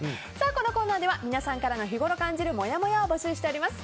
このコーナーでは皆さんからの日ごろ感じるもやもやを募集しております。